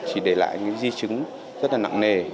chỉ để lại những di chứng rất là nặng nề